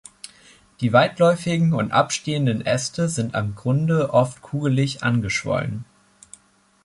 Die weitläufigen und abstehenden Äste sind am Grunde oft kugelig angeschwollen.